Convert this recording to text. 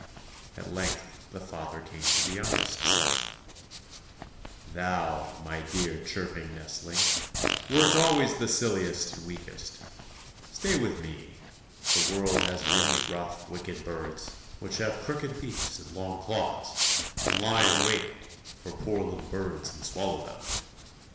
At length the father came to the youngest son: "Thou, my dear chirping nestling, wert always the silliest and weakest; stay with me, the world has many rough, wicked birds which have crooked beaks and long claws, and lie in wait for poor little birds and swallow them.